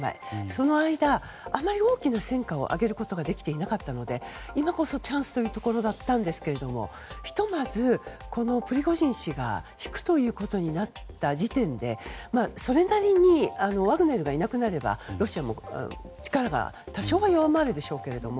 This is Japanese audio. その間あまり大きな戦果を挙げることができていなかったので今こそチャンスというところだったんですがひとまず、このプリゴジン氏が引くということになった時点でそれなりにワグネルがいなくなればロシアも力が多少は弱まるでしょうけども。